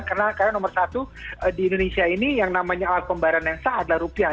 karena nomor satu di indonesia ini yang namanya alat pembayaran yang sah adalah rupiah